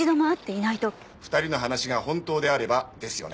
２人の話が本当であればですよね。